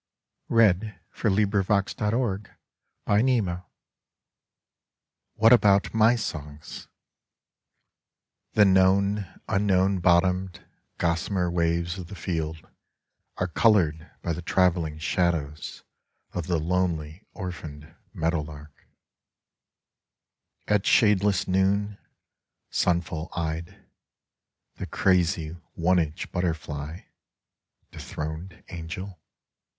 123 FROM "SEEN AND UNSEEN" (1897) WHAT ABOUT MY SONGS The known unknown bottonied gossamer waves of the field are coloured by the travelling shadows of the lonely, orphaned meadow lark : At shadeless noon, sunful eyed, — ^the crazy, one inch butterfly (dethroned angel